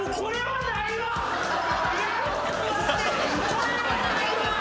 これはないわ。